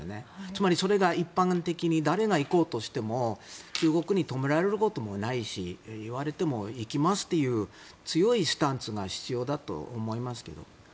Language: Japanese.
つまりそれが一般的に誰が行こうとしても中国に止められることもないし言われても行きますという強いスタンスが必要だと思います。